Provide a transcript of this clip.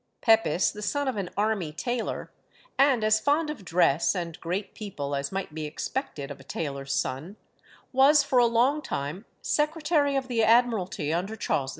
Pepys, the son of an army tailor, and as fond of dress and great people as might be expected of a tailor's son, was for a long time Secretary of the Admiralty under Charles II.